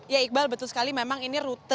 ya iqbal betul sekali memang ini rute